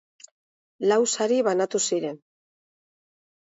Lau sari banatu ziren.